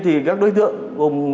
thì các đối tượng